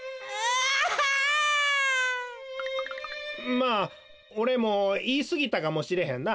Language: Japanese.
まあおれもいいすぎたかもしれへんな。